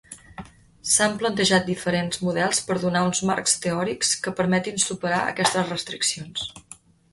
S'han plantejat diferents models per donar uns marcs teòrics que permetin superar aquestes restriccions.